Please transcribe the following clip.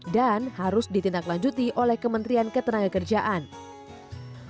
dan harus ditindaklanjuti oleh kementerian ketenagakerjaan pasal satu ratus lima puluh tiga ayat satu